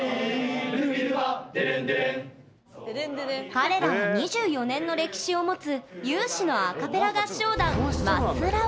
彼らは２４年の歴史を持つ有志のアカペラ合唱団ますらを。